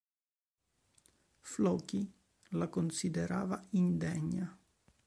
Floki la considerava indegna.